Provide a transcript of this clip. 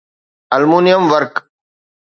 aluminium ورق